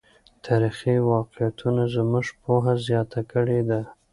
تاریخي واقعیتونه زموږ پوهه زیاته کړې ده.